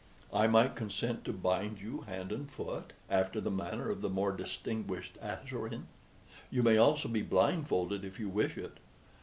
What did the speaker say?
I might consent to bind you hand and foot, after the manner of the more distinguished Asirin; you may also be blindfolded if you wish it.